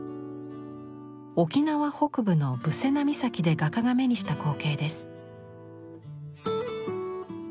沖縄北部の部瀬名岬で画家が目にした光景です。